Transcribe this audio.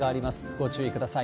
ご注意ください。